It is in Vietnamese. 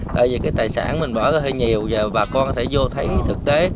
tại vì cái tài sản mình bỏ ra hơi nhiều và bà con có thể vô thấy thực tế